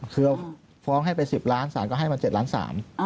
คือฟ้องให้ไป๑๐ล้านศาลก็ให้มา๗ล้าน๓